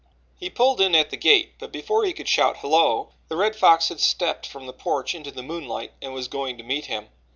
He pulled in at the gate, but before he could shout "Hello" the Red Fox had stepped from the porch into the moonlight and was going to meet him.